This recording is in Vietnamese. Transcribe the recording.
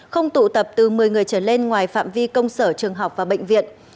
không tụ tập từ một mươi người trở lên ngoài phạm vi công sở trường học và bệnh viện